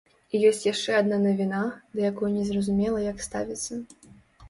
І ёсць яшчэ адна навіна, да якой незразумела, як ставіцца.